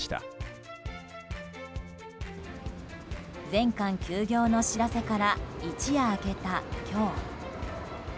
全館休業の知らせから一夜明けた今日。